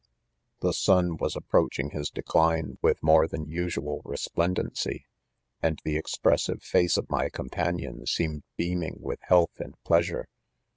_ 59 <c The sun was approaching his decline with hi ore than usual resplendency 3 and the ex pressive face of my companion, seemed beam ing with health and pleasure.